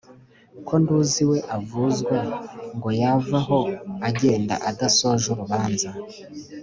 ko nduzi we avuzwa ngo yavaho agenda adasoje urubanza